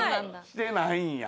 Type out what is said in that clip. してないんや。